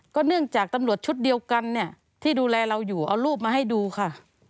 เนื่องจากตำรวจชุดเดียวกันเนี่ยที่ดูแลเราอยู่เอารูปมาให้ดูค่ะ